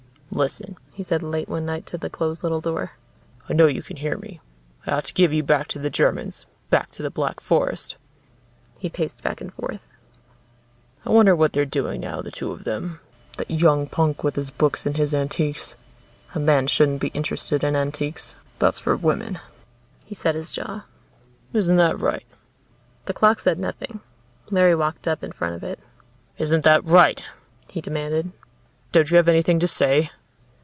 "Listen," he said late one night to the closed little door. "I know you can hear me. I ought to give you back to the Germans back to the Black Forest." He paced back and forth. "I wonder what they're doing now, the two of them. That young punk with his books and his antiques. A man shouldn't be interested in antiques; that's for women." He set his jaw. "Isn't that right?" The clock said nothing. Larry walked up in front of it. "Isn't that right?" he demanded. "Don't you have anything to say?"